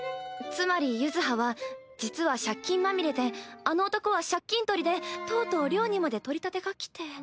つまり柚葉は実は借金まみれであの男は借金取りでとうとう寮にまで取り立てが来て。